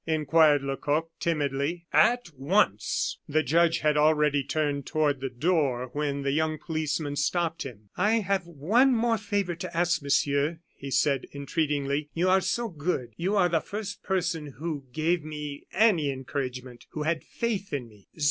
inquired Lecoq, timidly. "At once." The judge had already turned toward the door when the young policeman stopped him. "I have one more favor to ask, Monsieur," he said, entreatingly. "You are so good; you are the first person who gave me any encouragement who had faith in me."